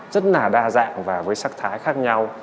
rất là đa dạng và với sắc thái khác nhau